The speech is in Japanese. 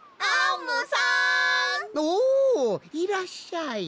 おおいらっしゃい。